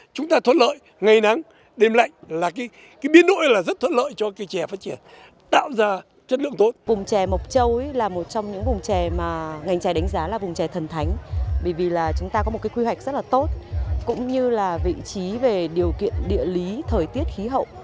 chúng ta có một quy hoạch rất là tốt cũng như là vị trí về điều kiện địa lý thời tiết khí hậu